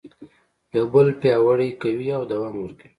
یو بل پیاوړي کوي او دوام ورکوي.